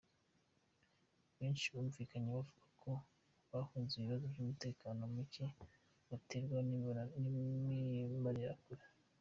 Benshi bumvikanye bavuga ko bahunze ibibazo by’umutekano mucye baterwaga n’Imbonerakure.